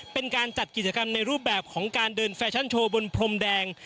เป็นการจัดกิจกรรมในรูปแบบของการเดินแฟชั่นโชว์บนพรมแดง